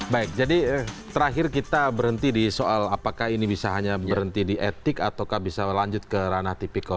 baik jadi terakhir kita berhenti di soal apakah ini bisa hanya berhenti di etik atau bisa lanjut ke ranah tipikor